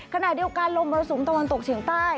ขณะเดียวกันลมมรสุมตะวันตกเฉียงใต้